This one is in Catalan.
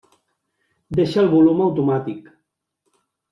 Deixa el volum automàtic.